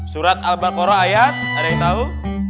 surat al baqarah ayat ada yang tahu